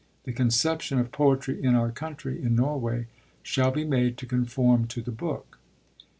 The conception of poetry in our country, in Norway, shall be made to conform to the book.'